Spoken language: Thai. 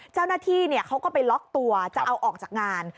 เจ้าหน้าที่เขาก็ไปล็อกตัวจะเอาออกจากงาน